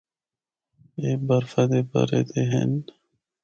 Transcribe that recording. اے برفا دے بھرے دے ہن۔